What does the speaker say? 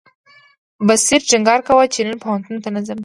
بصیر ټینګار کاوه چې نن پوهنتون ته نه ځم.